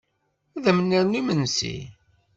Ad m-nernu imesnsi?